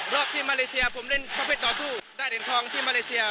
รอบที่มาเลเซียผมเล่นประเภทต่อสู้ได้เหรียญทองที่มาเลเซีย